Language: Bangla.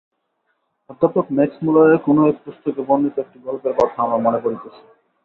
অধ্যাপক ম্যাক্সমূলারের কোন এক পুস্তকে বর্ণিত একটি গল্পের কথা আমার মনে পড়িতেছে।